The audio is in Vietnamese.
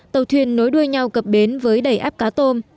tàu thuyền nối đuôi nhau cập bến với đầy áp cá tôm